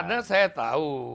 karena saya tahu